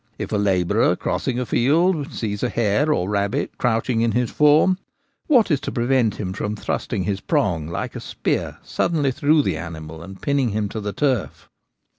If a labourer crossing a field sees a hare or rabbit crouching in his form, what is to prevent him from thrusting his prong like a spear suddenly through the animal and pinning him to the turf?